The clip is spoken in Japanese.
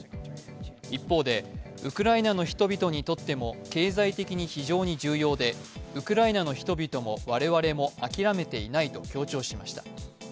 一方でウクライナの人々にとっても経済的に非常に重要でウクライナの人々も我々も諦めていないと強調しました。